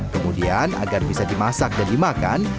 kemudian agar bisa dimasak dan dimakan